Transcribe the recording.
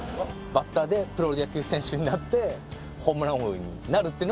バッターでプロ野球選手になってホームラン王になるっていうのが夢でしたね。